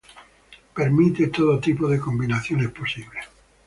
Permite todo tipo de combinaciones posibles.